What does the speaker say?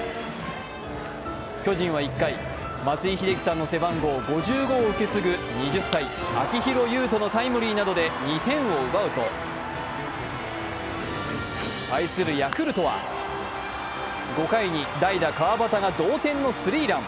巨人は１回、松井秀喜さんの背番号５５を受け継ぐ２０歳、秋広優人のタイムリーなどで２点を奪うと対するヤクルトは、５回に代打・川端が同点のスリーラン。